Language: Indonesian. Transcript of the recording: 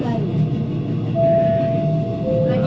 ya tambah lagi